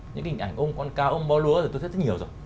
những hình ảnh ôm con cá ôm bó lúa tôi thích rất nhiều rồi